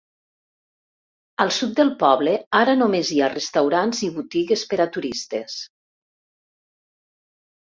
Al sud del poble ara només hi ha restaurants i botigues per a turistes.